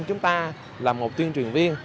chúng ta là một tuyên truyền viên